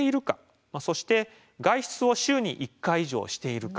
そして「外出を週に１回以上しているか」。